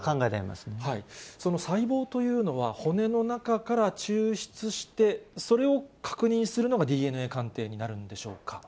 その細胞というのは、骨の中から抽出して、それを確認するのがＤＮＡ鑑定になるんでし